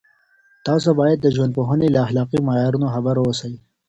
تاسو باید د ژوندپوهنې له اخلاقي معیارونو خبر اوسئ.